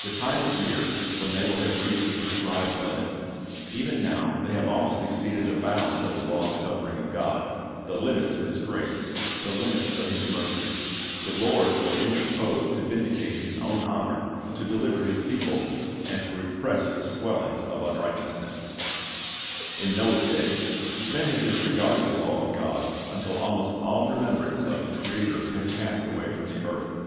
The time is near when they will have reached the prescribed limit. Even now they have almost exceeded the bounds of the long suffering of God, the limits of His 12 1 Heb. 10 : 35 37 2janies 5:7,8 ^ pg gy . 2, margin <Nahiim 1:3 ^Ps, 73:11 178 C'lirist's Object Lessons grace, the limits of His mercy. The Lord will interpose to vindicate His own honor, to deliver His people, and to repress the swellings of unrighteousness. In Noah's da}', men had disregarded the law of God, until almost all remembrance of the Creator had passed away from the earth.